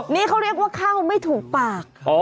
นี่เขาเรียกว่าเข้าไม่ถูกปาก